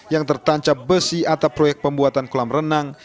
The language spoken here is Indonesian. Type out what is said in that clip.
yang tertancap besi atap proyek pembuatan kolam renang